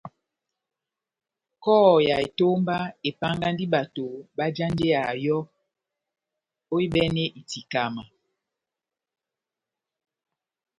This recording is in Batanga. Kɔhɔ ya etómba epángandi bato bajanjeya yɔ́ ohibɛnɛ itikama.